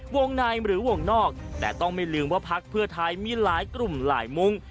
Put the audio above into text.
วงในหรือวงนอกแต่ต้องไม่ลืมว่าพักเพื่อไทยมีหลายกลุ่มหลายมุ้ง